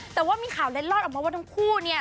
แต่ว่ามีข่าวเล็ดลอดออกมาว่าทั้งคู่เนี่ย